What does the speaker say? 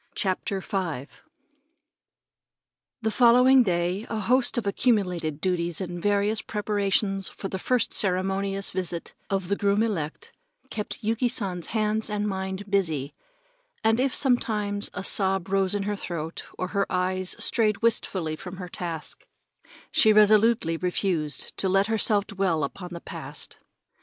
CHAPTER V The following day a host of accumulated duties and various preparations for the first ceremonious visit of the groom elect kept Yuki San's hands and mind busy, and if sometimes a sob rose in her throat, or her eyes strayed wistfully from her task, she resolutely refused to let herself dwell upon the past.